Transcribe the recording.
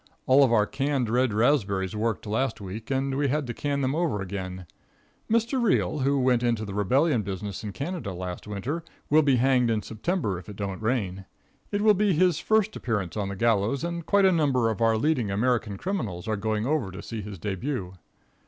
All of our canned red raspberries worked last week, and we had to can them over again. Mr. Riel, who went into the rebellion business in Canada last winter, will be hanged in September if it don't rain. It will be his first appearance on the gallows, and quite a number of our leading American criminals are going over to see his debut.